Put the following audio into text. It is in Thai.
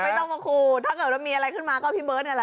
ไม่ต้องมาครูถ้าเกิดว่ามีอะไรขึ้นมาก็พี่เบิร์ตนี่แหละ